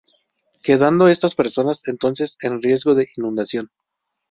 Quedando estas personas entonces, en riesgo de inundación.